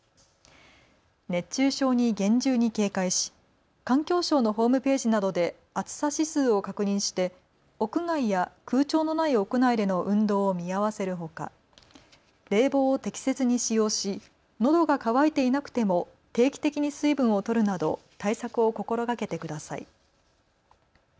熱中症に厳重に警戒し、環境省のホームページなどで暑さ指数を確認して屋外や空調のない屋内での運動を見合わせるほか冷房を適切に使用しのどが渇いていなくても定期的に水分をとるなど対策を心がけてください。